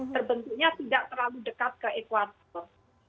terbentuknya tidak terlalu dekat ke ekwator